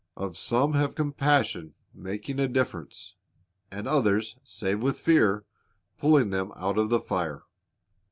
"Of some have compassion, making a difference; and others save with fear, pulling them out of the fire."